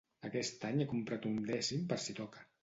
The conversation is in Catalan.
Aquest any he comprat un dècim per si toca.